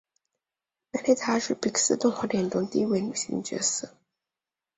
梅莉达是皮克斯动画电影中的第一位女性主角。